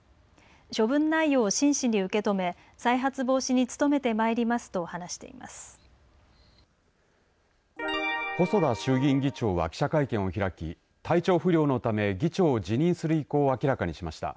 処分内容を真摯に受け止め再発防止に努めてまいります細田衆議院議長は記者会見を開き体調不良のため議長を辞任する意向を明らかにしました。